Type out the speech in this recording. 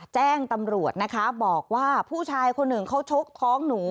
แจ้งตำรวจนะคะบอกว่าผู้ชายคนหนึ่งเขาชกท้องหนู